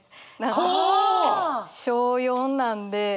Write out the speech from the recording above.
小４なんで。